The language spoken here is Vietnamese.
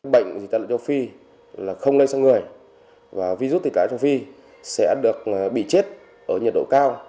bệnh thịt tả lợn châu phi là không lây sang người và virus thịt tả lợn châu phi sẽ được bị chết ở nhiệt độ cao